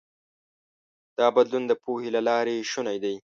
دا بدلون د پوهې له لارې شونی دی.